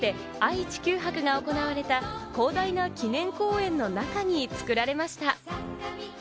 かつて愛・地球博が行われた広大な記念公園の中に作られました。